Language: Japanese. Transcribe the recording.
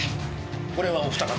これはお二方。